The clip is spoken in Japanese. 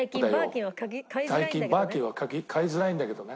最近バーキンは買いづらいんだけどね。